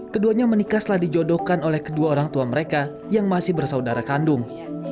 keduanya menikah setelah dijodohkan oleh kedua orang tua mereka yang masih bersaudara kandung